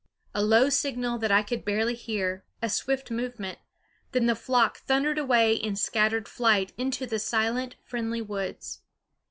A low signal that I could barely hear, a swift movement then the flock thundered away in scattered flight into the silent, friendly woods.